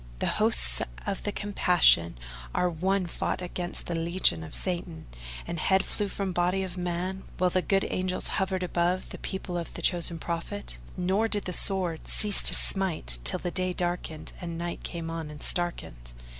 The hosts of the Compassion are One fought against the legions of Satan; and head flew from body of man, while the good Angels hovered above the people of the Chosen Prophet, nor did the sword cease to smite till the day darkened and night came on and starkened.